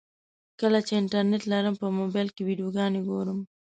کله چې انټرنټ لرم په موبایل کې ویډیوګانې ګورم.